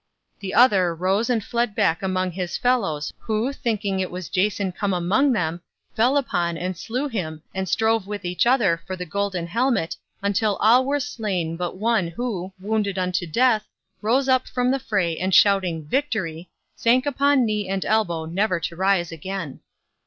The other rose and fled back among his fellows who, thinking it was Jason come among them, fell upon and slew him and strove with each other for the golden helmet until all were slain but one who, wounded unto death, rose up from the fray and shouting "Victory" sank upon knee and elbow never to rise again.